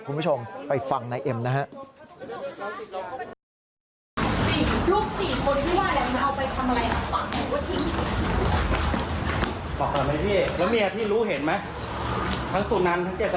คุณผู้ชมไปฟังนายเอ็มนะฮะ